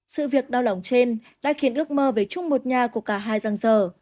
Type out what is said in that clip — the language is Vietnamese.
sự việc đau lòng trên đã khiến ước mơ về chung một nhà của cả hai răng rờ